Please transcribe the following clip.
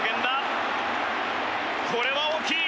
これは大きい！